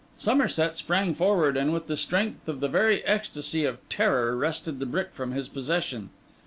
Somerset sprang forward, and with the strength of the very ecstasy of terror, wrested the brick from his possession.